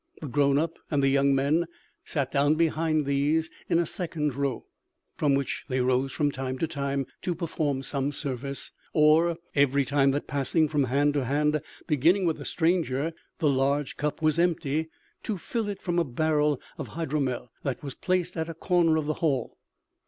The grown up and the young men sat down behind these in a second row, from which they rose from time to time to perform some service, or, every time that, passing from hand to hand, beginning with the stranger, the large cup was empty, to fill it from a barrel of hydromel, that was placed at a corner of the hall.